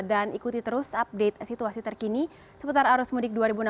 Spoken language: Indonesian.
dan ikuti terus update situasi terkini seputar arus mudik dua ribu enam belas